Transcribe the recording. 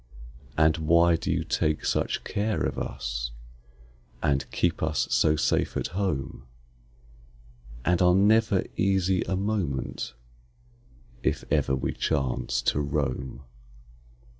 And why do you take such care of us, And keep us so safe at home, And are never easy a moment If ever we chance to roam?